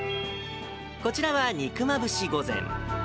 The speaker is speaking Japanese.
こちらは肉まぶし御膳。